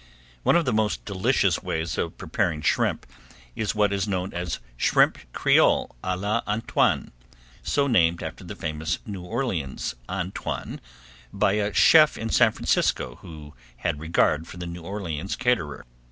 One of the most delicious ways of preparing shrimp is what is known as "Shrimp Creole, a la Antoine," so named after the famous New Orleans Antoine by a chef in San Francisco who had regard for the New Orleans caterer.